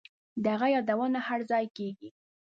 د هغه یادونه هرځای کیږي